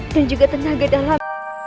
dan juga tenaga dalam